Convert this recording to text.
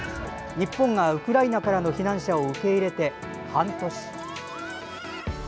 日本がウクライナからの避難者を受け入れて半年。